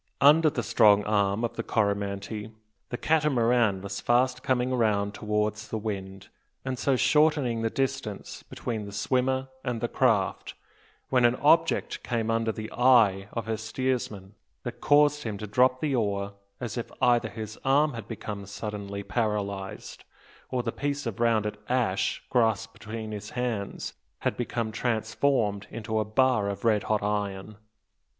Under the strong arm of the Coromantee, the Catamaran was fast coming round towards the wind, and so shortening the distance between the swimmer and the craft, when an object came under the eye of her steersman that caused him to drop the oar as if either his arm had become suddenly paralysed, or the piece of rounded ash grasped between his hands had become transformed into a bar of red hot iron!